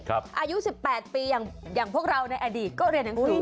อายุ๑๘ปีอย่างพวกเราในอดีตก็เรียนหนังสือ